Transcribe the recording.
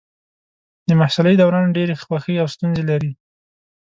د محصلۍ دوران ډېرې خوښۍ او ستونزې لري.